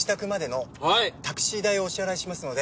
タクシー代をお支払いしますので。